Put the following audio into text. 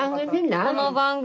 その番組。